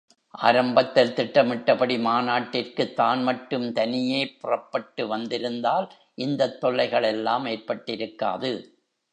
ஆரம்பத்தில் திட்டமிட்டபடி மாநாட்டிற்கு தான் மட்டும் தனியேப் புறப்பட்டு வந்திருந்தால் இந்த தொல்லைகள் எல்லாம் ஏற்பட்டிருக்காது.